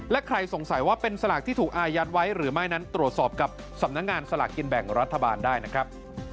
และใครสงสัยว่าเป็นสลากที่ถูกอายัดไว้หรือไม่นั้นตรวจสอบกับสำนักงานสลากกินแบ่งรัฐบาลได้นะครับ